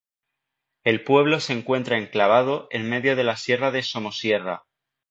El pueblo se encuentra enclavado en medio de la sierra de Somosierra.